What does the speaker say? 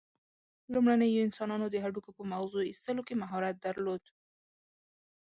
لومړنیو انسانانو د هډوکو په مغزو ایستلو کې مهارت درلود.